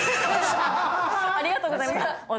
ありがとうございます。